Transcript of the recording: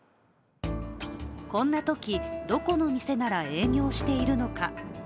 こんなとき、どこの店なら営業しているのか。